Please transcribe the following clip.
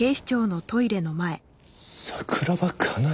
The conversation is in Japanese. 桜庭かなえ？